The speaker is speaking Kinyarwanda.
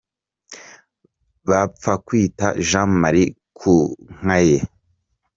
Bapfakwita Jean Marie ku nka ye .